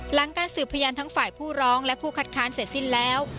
หลังการสืบพยานทั้งฝ่ายผู้ร้องและผู้คัดค้านเสร็จสิ้นแล้ว